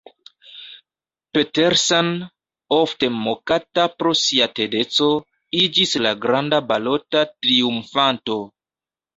Petersen, ofte mokata pro sia tedeco, iĝis la granda balota triumfanto.